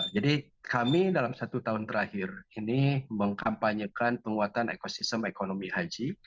jadi kami dalam satu tahun terakhir ini mengkampanyekan penguatan ekosistem ekonomi haji